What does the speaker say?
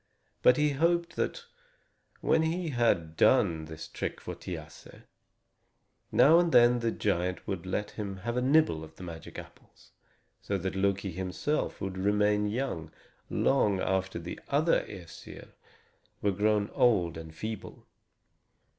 But he hoped that, when he had done this trick for Thiasse, now and then the giant would let him have a nibble of the magic apples; so that Loki himself would remain young long after the other Æsir were grown old and feeble.